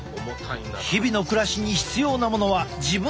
日々の暮らしに必要なものは自分たちの手で作る。